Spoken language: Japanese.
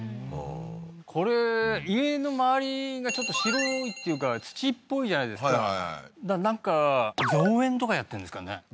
ああーこれ家の周りがちょっと白いっていうか土っぽいじゃないですかなんか造園とかやってんですかね？